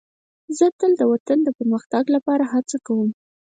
زه تل د وطن د پرمختګ لپاره هڅه کوم.